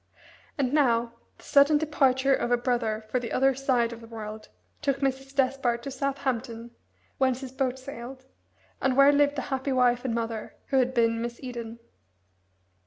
And now, the sudden departure of a brother for the other side of the world took Mrs. Despard to Southampton, whence his boat sailed, and where lived the happy wife and mother, who had been Miss Eden.